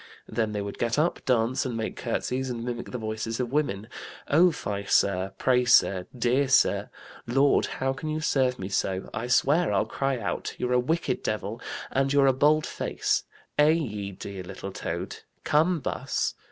Then they would get up, dance and make curtsies, and mimic the voices of women, 'Oh, fie, sir,' 'Pray, sir,' 'Dear sir,' 'Lord, how can you serve me so?' 'I swear I'll cry out,' 'You're a wicked devil,' 'And you're a bold face,' 'Eh, ye dear little toad,' 'Come, bus.'